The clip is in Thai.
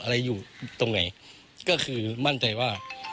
อะไรอยู่ตรงไหนก็คือมั่นใจว่า